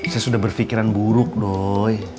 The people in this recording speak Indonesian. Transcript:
saya sudah berpikiran buruk dong